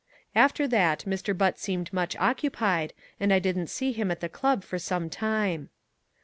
After that Mr. Butt seemed much occupied and I didn't see him at the club for some time.